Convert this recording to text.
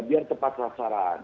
biar tepat sasaran